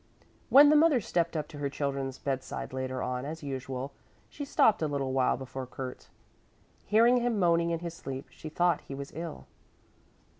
When the mother stepped up to her children's bedside later on as usual, she stopped a little while before Kurt. Hearing him moaning in his sleep, she thought he was ill.